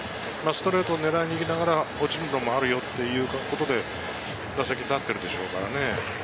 ストレートを狙いながら落ちるのもあるよということで、打席に立っているでしょう。